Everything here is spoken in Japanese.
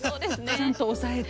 ちゃんと押さえて。